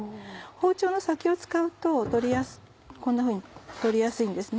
包丁の先を使うとこんなふうに取りやすいです。